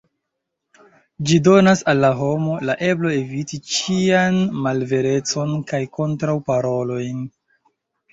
Ĝi donas al la homo la eblon eviti ĉian malverecon kaj kontraŭparolojn.